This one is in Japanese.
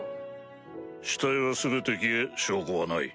死体は全て消え証拠はない。